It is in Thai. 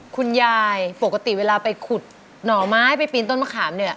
คุณยายปกติเวลาไปขุดหน่อไม้ไปปีนต้นมะขามเนี่ย